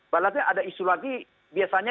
berarti ada isu lagi biasanya